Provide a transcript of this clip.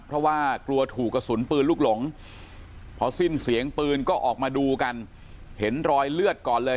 เพราะว่ากลัวถูกกระสุนปืนลูกหลงพอสิ้นเสียงปืนก็ออกมาดูกันเห็นรอยเลือดก่อนเลย